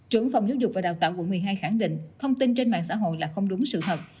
trưởng phòng giáo dục và đào tạo quận một mươi hai khẳng định thông tin trên mạng xã hội là không đúng sự thật